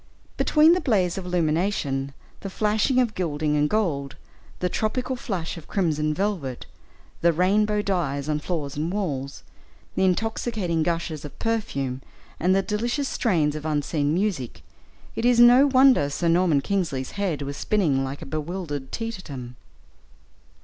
Between the blaze of illumination, the flashing of gilding and gold, the tropical flush of crimson velvet, the rainbow dyes on floor and walls, the intoxicating gushes of perfume, and the delicious strains of unseen music, it is no wonder Sir Norman Kingsley's head was spinning like a bewildered teetotum.